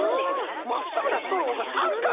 まっすぐなストローがさんかくに！